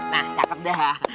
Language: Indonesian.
nah cakep dah